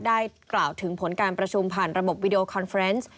ได้กล่าวถึงผลการประชุมผ่านระบบวิดีโอคอนเฟรนซ์